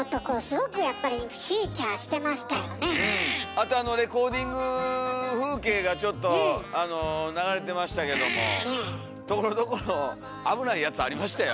あとレコーディング風景がちょっと流れてましたけどもところどころ危ないやつありましたよ。